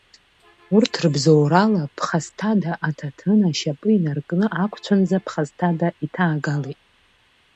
Урҭ рыбзоурала ԥхасҭада аҭаҭын ашьапы инаркны ақәцәынӡа ԥхасҭада иҭаагалеит.